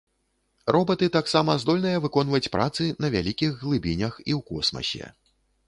Робаты таксама здольныя выконваць працы на вялікіх глыбінях і ў космасе.